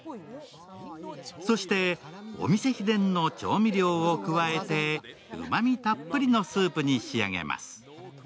そして、お店秘伝の調味料を加えてうまみたっぷりのスープに仕上げます。